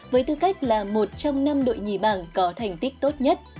với tư cách là một trong năm đội nhì bảng có thành tích tốt nhất